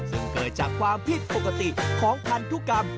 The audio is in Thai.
ซึ่งเกิดจากความผิดปกติของพันธุกรรม